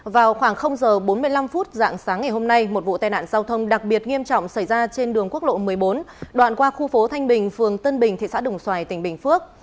vào khoảng h bốn mươi năm phút dạng sáng ngày hôm nay một vụ tai nạn giao thông đặc biệt nghiêm trọng xảy ra trên đường quốc lộ một mươi bốn đoạn qua khu phố thanh bình phường tân bình thị xã đồng xoài tỉnh bình phước